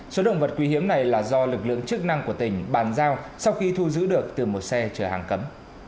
số động vật quý hiếm này là do lực lượng chức năng của tỉnh bàn giao sau khi thu giữ được từ một xe chở hàng cấm